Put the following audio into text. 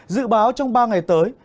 dự báo trong ba ngày tới